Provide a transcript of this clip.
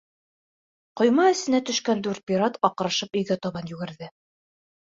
Ҡойма эсенә төшкән дүрт пират аҡырышып өйгә табан йүгерҙе.